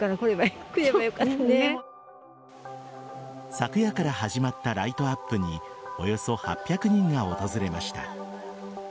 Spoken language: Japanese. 昨夜から始まったライトアップにおよそ８００人が訪れました。